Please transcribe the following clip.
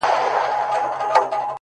o ستا زړه ته خو هر څوک ځي راځي گلي؛